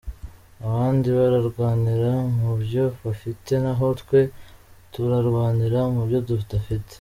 Abandi bararwanira mu byo bafite naho twe turarwanira mu byo tudafite.